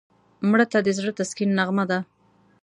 مړه ته د زړه تسکین نغمه ده